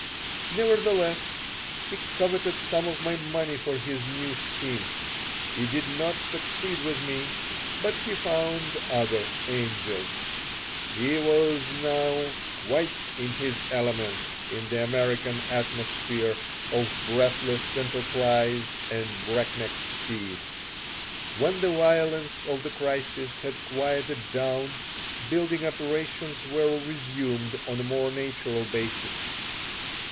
Nevertheless, he coveted some of my money for his new scheme. He did not succeed with me, but he found other "angels." He was now quite in his element in the American atmosphere of breathless enterprise and breakneck speed. When the violence of the crisis had quieted down building operations were resumed on a more natural basis.